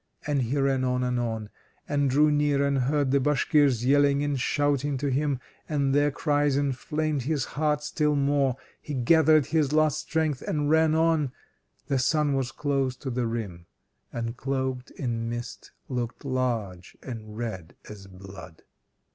And he ran on and on, and drew near and heard the Bashkirs yelling and shouting to him, and their cries inflamed his heart still more. He gathered his last strength and ran on. The sun was close to the rim, and cloaked in mist looked large, and red as blood.